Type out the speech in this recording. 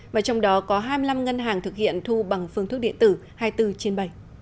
và trong đó có hai mươi năm ngân hàng thực hiện thu bằng phương thức điện tử hai mươi bốn trên bảy